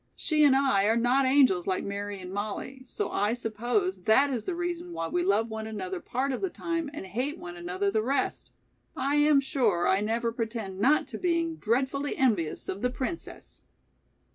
She and I are not angels like Mary and Mollie, so I suppose that is the reason why we love one another part of the time and hate one another the rest. I am sure I never pretend not to being dreadfully envious of 'The Princess'."